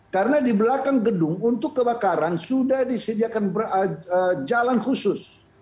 karena di belakang gedung untuk kebakaran sudah disediakan jalan khusus